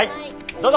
どうぞ！